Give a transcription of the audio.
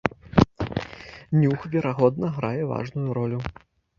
Нюх, верагодна, грае важную ролю.